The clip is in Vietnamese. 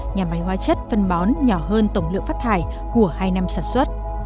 nhà máy hóa chất phân bón nhỏ hơn tổng lượng phát thải của hai năm sản xuất